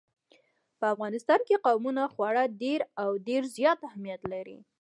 په افغانستان کې قومونه خورا ډېر او ډېر زیات اهمیت لري.